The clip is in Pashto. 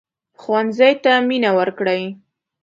ښوونځی ته مينه ورکړئ